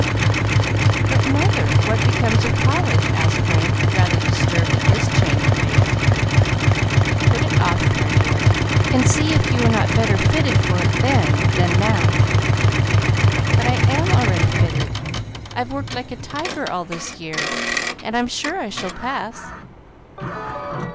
"But, mother, what becomes of college?" asked Frank, rather disturbed at this change of base. "Put it off for a year, and see if you are not better fitted for it then than now." "But I am already fitted: I've worked like a tiger all this year, and I'm sure I shall pass."